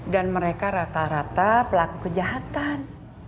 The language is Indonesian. dan mereka rata rata pelaku kejahatan